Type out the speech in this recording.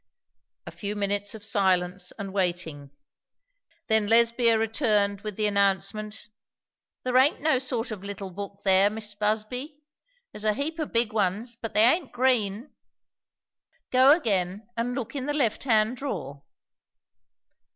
A few minutes of silence and waiting; then Lesbia returned with the announcement, "There aint no sort o' little book there, Mis' Busby. There's a heap o' big ones, but they aint green." "Go again and look in the left hand drawer."